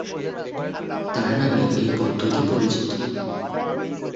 তার নামেই এই পদ্ধতি পরিচিত।